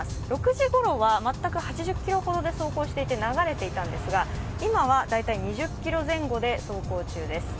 ６時ころは全く８０キロほどで走行して流れていたんですが今は大体２０キロ前後で走行中です。